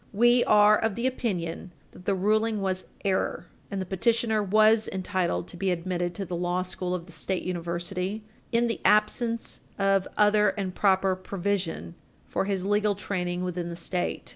We are of the opinion that the ruling was error, and that petitioner was entitled to be admitted to the law school of the State University in the absence of other and proper provision for his legal training within the State.